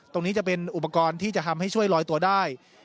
ตรงนี้จะเป็นอุปกรณ์ที่จะทำให้ช่วยลอยตัวได้